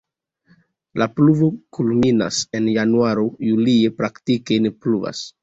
La pluvo kulminas en januaro, julie praktike ne pluvas.